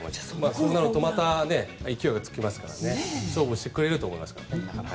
そうなるとまた勢いがつきますから勝負してくれると思います。